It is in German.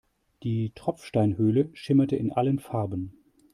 Die Tropfsteinhöhle schimmerte in allen Farben.